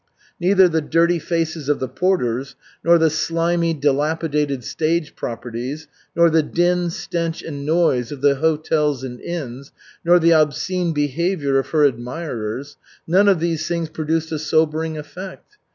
Neither the dirty faces of the porters nor the slimy, dilapidated stage properties, nor the din, stench, and noise of the hotels and inns, nor the obscene behavior of her admirers none of these things produced a sobering effect.